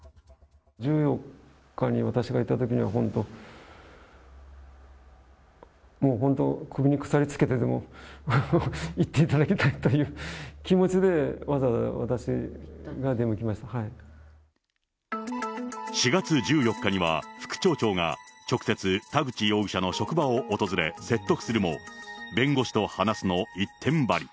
１４日に私が行ったときには、本当、もう本当、首に鎖つけてでも行っていただきたいという気持ちで、４月１４日には、副町長が直接、田口容疑者の職場を訪れ説得するも、弁護士と話すの一点張り。